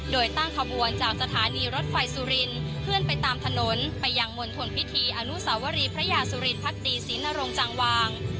โดยตั้งขบวนจากสถานีรถไฟสุรินเคลื่อนไปตามถนนไปยังมณฑลพิธีอนุสาวรีพระยาสุรินพักดีศรีนรงจังวาง